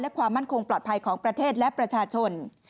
และความมั่นคงปลอดภัยของประเทศและประชาชน